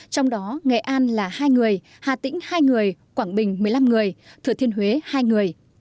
trong đó nghệ an là hai người hà tĩnh hai người quảng bình một mươi năm người thừa thiên huế hai người